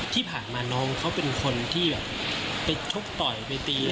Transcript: ที่ผ่านมาน้องเขาเป็นคนที่แบบไปชกต่อยไปตี